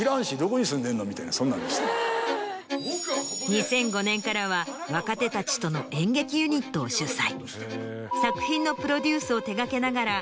２００５年からは若手たちとの演劇ユニットを主宰。